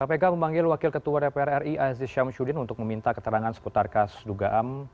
kpk memanggil wakil ketua dpr ri aziz syamsuddin untuk meminta keterangan seputar kasus dugaan